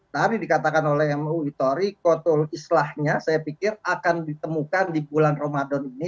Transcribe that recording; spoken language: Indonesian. tadi dikatakan oleh muitori kotul islahnya saya pikir akan ditemukan di bulan ramadan ini